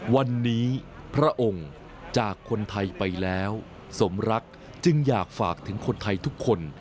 วันนี้พระองค์จากคนไทยไปแล้วสมรักจึงอยากฝากถึงคนไทยทุกคน